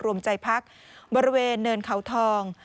รวมใจพักบริเวณเนินเขาทอง